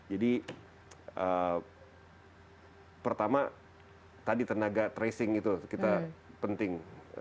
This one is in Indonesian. jadi pertama tadi tenaga tracing itu kita penting